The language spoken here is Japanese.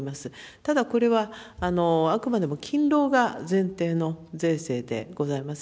ただ、これはあくまでも勤労が前提の税制でございます。